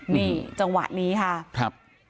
นี่จังหวะนี้ค่ะ